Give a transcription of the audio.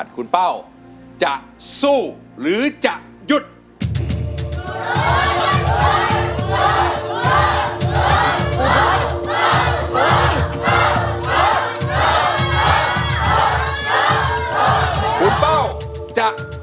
คุณเป้าจะสู้หรือหยุดครับ